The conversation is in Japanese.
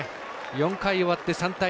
４回終わって３対２。